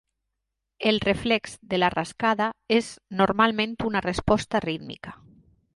El reflex de la rascada és normalment una resposta rítmica.